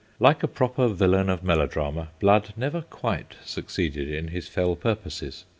Like a proper villain of melodrama, Blood never quite succeeded in his fell purposes.